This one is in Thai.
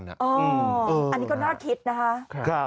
อันนี้ก็น่าคิดนะคะ